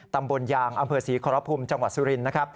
ตำบลยางอำเภอศรีครอบภูมิจังหวัดสุรินทร์